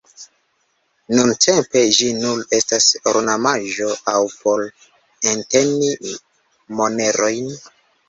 Nuntempe ĝi nur estas ornamaĵo aŭ por enteni monerojn.